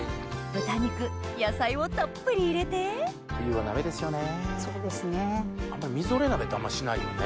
豚肉野菜をたっぷり入れて冬は鍋ですよね。